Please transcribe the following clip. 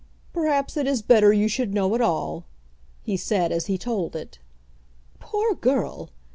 "Perhaps it is better you should know it all," he said as he told it. "Poor girl!